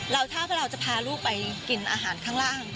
แล้วถ้าเราจะพาลูกไปกินอาหารข้างล่าง